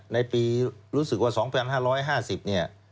ในปีรู้สึกว่า๒๕๕๐เนี่ย